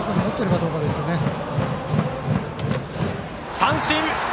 三振！